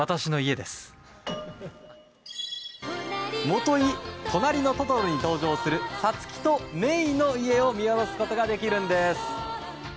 もとい、「となりのトトロ」に登場するサツキとメイの家を見下ろすことができるんです。